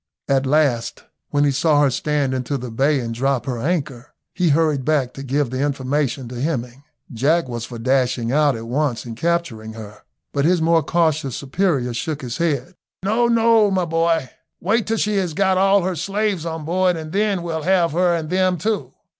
At last, when he saw her stand into the bay and drop her anchor, he hurried back to give the information to Hemming. Jack was for dashing out at once and capturing her, but his more cautious superior shook his head; "No, no, my boy, wait till she has got all her slaves on board and then we'll have her and them too."